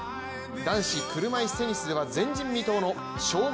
男子車いすテニスでは前人未到の生涯